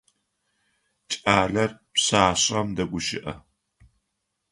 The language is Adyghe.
Кӏалэр пшъашъэм дэгущыӏэ.